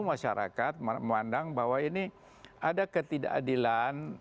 masyarakat memandang bahwa ini ada ketidakadilan